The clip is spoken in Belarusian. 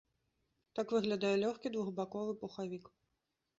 Так выглядае лёгкі двухбаковы пухавік.